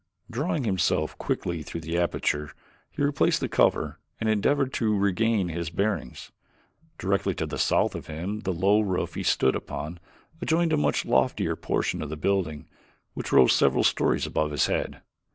Drawing himself quickly through the aperture he replaced the cover and endeavored to regain his bearings. Directly to the south of him the low roof he stood upon adjoined a much loftier portion of the building, which rose several stories above his head.